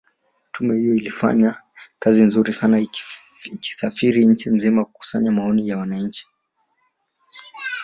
Tume hiyo ilifanya kazi nzuri sana ikisafiri nchi nzima kukusanya maoni ya wananchi